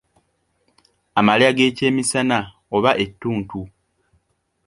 Amalya g'ekyemisana oba ettuntu.